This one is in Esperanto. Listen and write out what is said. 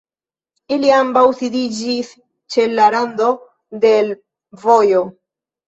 Ili ambaŭ sidiĝis ĉe la rando de l'vojo.